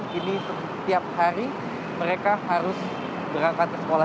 kini setiap hari mereka harus berangkat ke sekolah